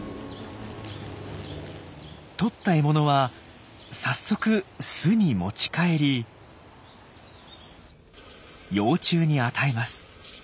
とった獲物は早速巣に持ち帰り幼虫に与えます。